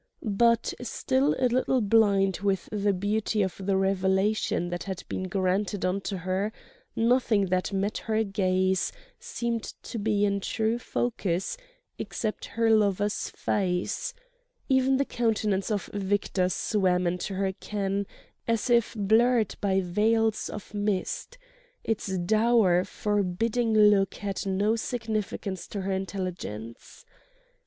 But, still a little blind with the beauty of the revelation that had been granted unto her, nothing that met her gaze seemed to be in true focus except her lover's face: even the countenance of Victor swam into her ken as if blurred by veils of mist, its dour, forbidding look had no significance to her intelligence.